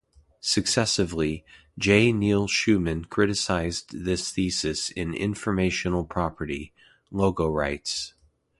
Successively, J. Neil Schulman criticized this thesis in "Informational Property: Logorights".